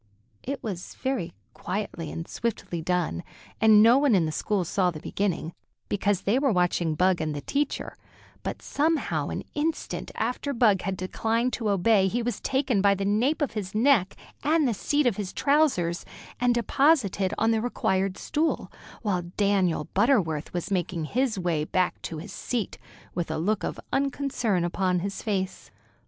It was very quietly and swiftly done, and no one in the school saw the beginning, because they were watching Bug and the teacher; but somehow an instant after Bug had declined to obey he was taken by the nape of his neck and the seat of his trousers, and deposited on the required stool, while Daniel Butterworth was making his way back to his seat, with a look of unconcern upon his face.